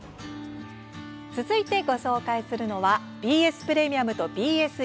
続いてご紹介するのはＢＳプレミアムとＢＳ４Ｋ